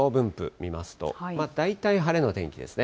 見ますと、大体晴れの天気ですね。